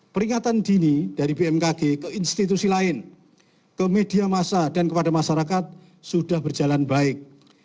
peringatan dini dari bmkg ke institusi lain ke media masa dan kepada masyarakat sudah berjalan baik